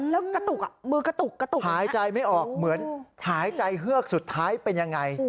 แล้วกระตุกอ่ะมือกระตุกกระตุกหายใจไม่ออกเหมือนหายใจเฮือกสุดท้ายเป็นยังไง